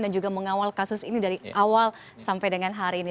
dan juga mengawal kasus ini dari awal sampai dengan hari ini